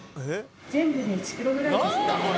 全部で１キロぐらいですかね。